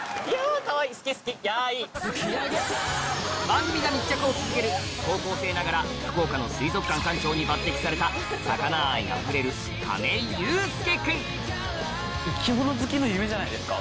番組が密着を続ける高校生ながら福岡の水族館館長に抜てきされた魚愛あふれるじゃないですか。